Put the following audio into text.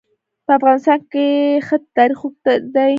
په افغانستان کې د ښتې تاریخ اوږد دی.